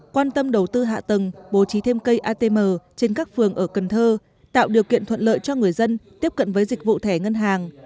quan tâm đầu tư hạ tầng bố trí thêm cây atm trên các phường ở cần thơ tạo điều kiện thuận lợi cho người dân tiếp cận với dịch vụ thẻ ngân hàng